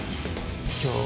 今日